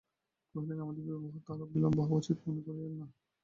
কহিলেন, আমাদের বিবাহে আর বিলম্ব হওয়া উচিত মনে করি নে।